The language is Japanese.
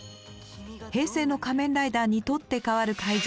平成の仮面ライダーに取って代わる怪人